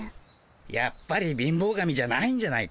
やっぱり貧乏神じゃないんじゃないか？